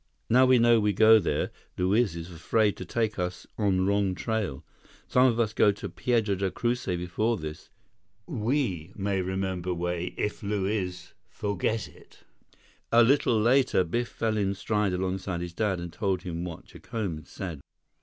"Now we know we go there, Luiz is afraid to take us on wrong trail. Some of us go to Piedra Del Cucuy before this. We may remember way if Luiz 'forget' it." A little later, Biff fell in stride alongside his dad and told him what Jacome had said.